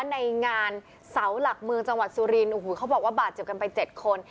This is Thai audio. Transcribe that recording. ในงานเสาหลักเมืองจังหวัดสุรินโอ้โหเขาบอกว่าบาดเจ็บกันไปเจ็ดคน